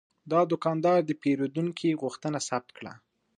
دا دوکاندار د پیرودونکي غوښتنه ثبت کړه.